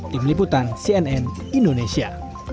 tim liputan cnn indonesia